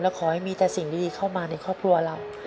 ขอให้มีแต่สิ่งดีเข้ามาในครอบครัวเรา